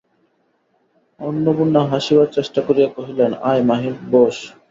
অন্নপূর্ণা হাসিবার চেষ্টা করিয়া কহিলেন, আয় মহিন, বোস।